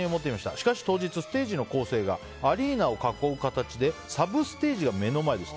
しかし当日ステージの構成がアリーナを囲う形でサブステージが目の前でした。